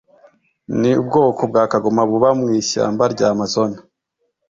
ni ubwoko bwa kagoma buba mu ishyamba rya amazon,